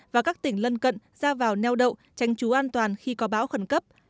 và các tỉnh lân cận ra vào neo đậu tranh trú an toàn khi có bão khẩn cấp